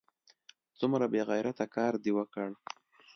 څومره بې غیرته کار دې وکړ!